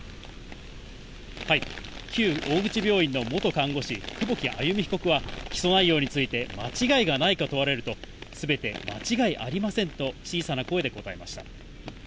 旧大口病院の元看護士、久保木愛弓被告は、起訴内容について間違いがないか問われると、すべて間違いありませんと、小さな声で答えました。